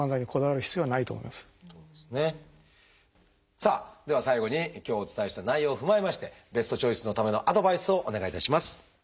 さあでは最後に今日お伝えした内容を踏まえましてベストチョイスのためのアドバイスをお願いいたします。